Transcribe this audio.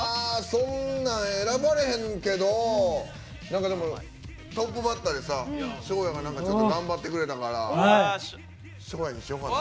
そんなん選ばれへんけどトップバッターで翔也が頑張ってくれたから翔也にしようかな。